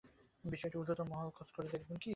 বিষয়টি ঊর্ধ্বতন মহল খোঁজ করে দেখবেন কি?